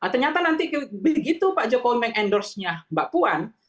ternyata nanti begitu pak jokowi mengendorse nya mbak puan